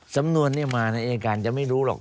สำนวนมานิยาการจะไม่รู้หรอก